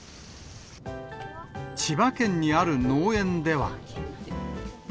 千葉県にある農園では。